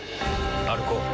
歩こう。